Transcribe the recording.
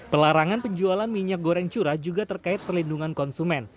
pelarangan penjualan minyak goreng curah juga terkait perlindungan konsumen